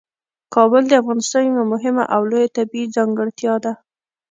کابل د افغانستان یوه مهمه او لویه طبیعي ځانګړتیا ده.